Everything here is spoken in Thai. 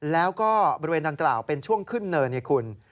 แล้วก็บริเวณดังกล่าวเป็นช่วงขึ้นเนินไงคุณ